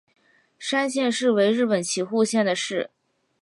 山县市为日本岐阜县的市。